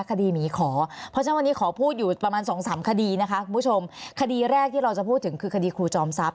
คดีหมีขอเพราะฉะนั้นวันนี้ขอพูดอยู่ประมาณสองสามคดีนะคะคุณผู้ชมคดีแรกที่เราจะพูดถึงคือคดีครูจอมทรัพย